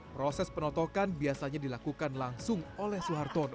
proses penotokan biasanya dilakukan langsung oleh suhartono